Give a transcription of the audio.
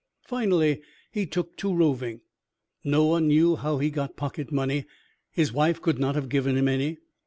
Finally he took to roving. No one knew how he got pocket money; his wife could not have given him any.